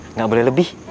nggak boleh lebih